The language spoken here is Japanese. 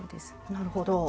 なるほど。